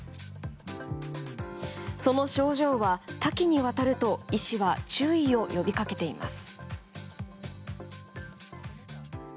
その症状は多岐にわたると医師は注意を呼び掛けています。